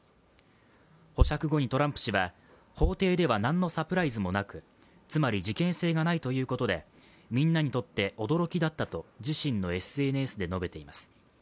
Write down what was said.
保釈後にトランプ氏は法廷では何のサプライズもなく、つまり事件性がないということで、みんなにとって驚きだったと自身のＳＮＳで述べています。